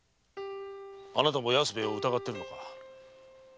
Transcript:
あなたも安兵衛を疑ってるのか？